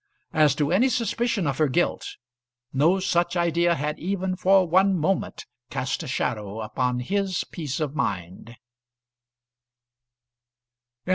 As to any suspicion of her guilt, no such idea had even for one moment cast a shadow upon his peace of mind.